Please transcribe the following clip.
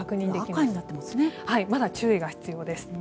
まだ注意が必要です。